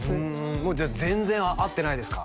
もうじゃあ全然会ってないですか？